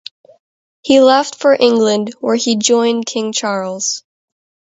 He left for England, where he joined King Charles.